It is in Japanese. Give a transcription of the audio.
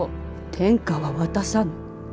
天下は渡さぬ。